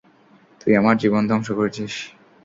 তুই আমার জীবন ধ্বংস করেছিস।